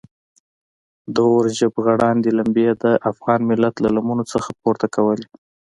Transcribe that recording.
د اور ژبغړاندې لمبې د افغان ملت له لمنو څخه پورته کولې.